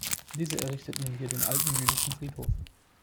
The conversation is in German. Diese errichteten hier den alten jüdischen Friedhof.